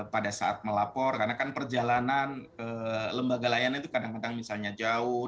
pada saat melapor karena kan perjalanan lembaga layanan itu kadang kadang misalnya jauh